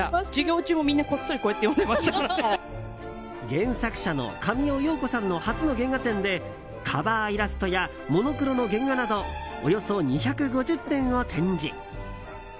原作者の神尾葉子さんの初の原画展でカバーイラストやモノクロの原画などおよそ２５０点を展示。